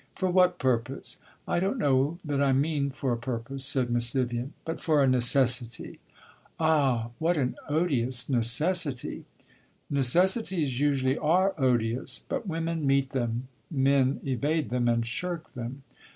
"For what purpose?" "I don't know that I mean for a purpose," said Miss Vivian; "but for a necessity." "Ah, what an odious necessity!" "Necessities usually are odious. But women meet them. Men evade them and shirk them."